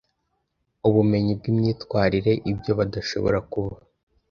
ubumenyi bwimyitwarire ibyo badashobora kuba